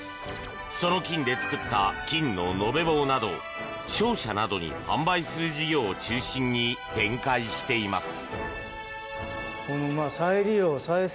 その金で作った金の延べ棒などを商社などに販売する事業を中心に展開しています。